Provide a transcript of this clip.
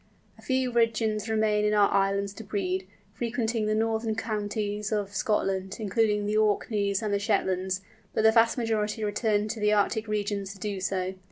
A few Wigeons remain in our Islands to breed, frequenting the northern counties of Scotland, including the Orkneys and the Shetlands, but the vast majority return to the Arctic regions to do so.